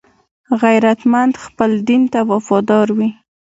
غیرتمند خپل دین ته وفادار وي